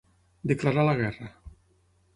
Declarar la guerra.